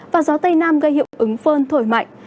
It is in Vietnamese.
và gió tây nam gây hiệu ứng phơn thổi mạnh